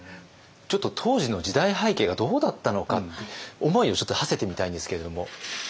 ちょっと当時の時代背景がどうだったのかって思いをちょっとはせてみたいんですけれども。